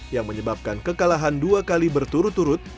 yang menyebabkan kekalahan dua kali berturut turut